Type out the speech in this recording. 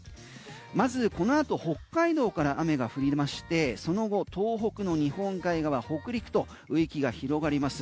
まずこのあと北海道から雨が降りましてその後東北の日本海側北陸と雨雲が広がります。